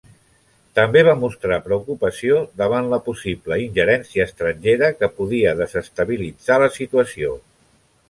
També va mostrar preocupació davant la possible ingerència estrangera que podia desestabilitzar la situació.